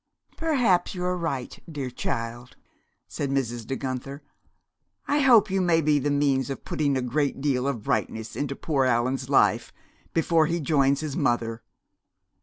"Perhaps you are right, dear child," said Mrs. De Guenther. "I hope you may be the means of putting a great deal of brightness into poor Allan's life before he joins his mother."